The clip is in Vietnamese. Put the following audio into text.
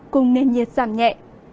cùng nền nhiệt giảm nhẹ